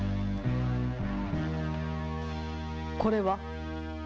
これは？